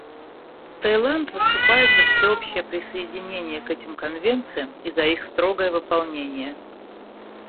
Таиланд выступает за всеобщее присоединение к этим конвенциям и за их строгое выполнение.